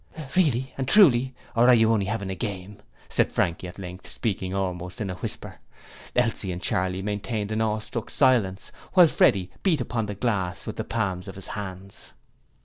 'Really and truly, or are you only having a game?' said Frankie at length, speaking almost in a whisper. Elsie and Charley maintained an awestruck silence, while Freddie beat upon the glass with the palms of his hands.